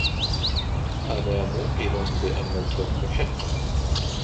أنا موقن بأن توم محق.